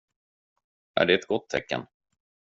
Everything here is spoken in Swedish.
Är det ett gott tecken?